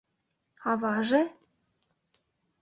— Аваже?!.